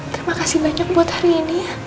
terima kasih banyak buat hari ini ya